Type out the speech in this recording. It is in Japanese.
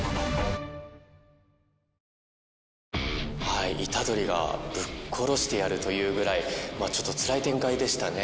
はい虎杖が「ぶっ殺してやる」と言うぐらいまあちょっとつらい展開でしたね。